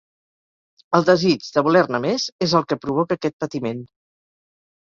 El desig de voler-ne més és el que provoca aquest patiment.